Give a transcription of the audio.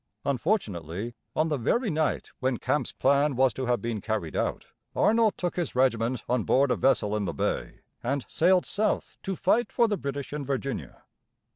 Unfortunately, on the very night when Campe's plan was to have been carried out, Arnold took his regiment on board a vessel in the bay, and sailed south to fight for the British in Virginia.